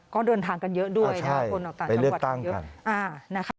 ก็เดินทางกันเยอะด้วยนะครับคนออกต่างจังหวัดเยอะนะครับไปเลือกตั้งค่ะ